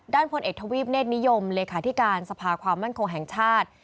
พลเอกทวีปเนธนิยมเลขาธิการสภาความมั่นคงแห่งชาติ